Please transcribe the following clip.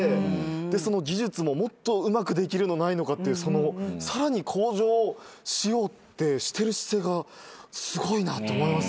でその技術ももっとうまくできるのないのかってさらに向上しようってしてる姿勢がすごいなと思いますね。